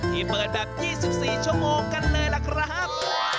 ที่เปิดแบบ๒๔ชั่วโมงกันเลยล่ะครับ